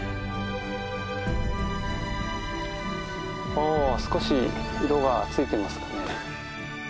お少し色がついてますかね。